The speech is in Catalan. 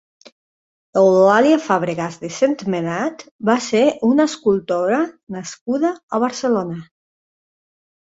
Eulàlia Fàbregas de Sentmenat va ser una escultora nascuda a Barcelona.